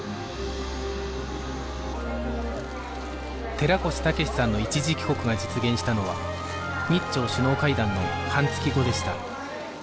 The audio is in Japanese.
寺越武志さんの一時帰国が実現したのは日朝首脳会談の半月後でした